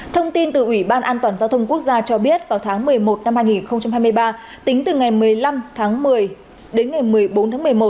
thông tin từ ủy ban an toàn giao thông quốc gia cho biết vào tháng một mươi một năm hai nghìn hai mươi ba tính từ ngày một mươi năm tháng một mươi đến ngày một mươi bốn tháng một mươi một